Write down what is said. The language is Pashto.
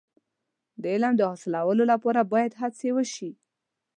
د علم د حاصلولو لپاره باید هڅې وشي.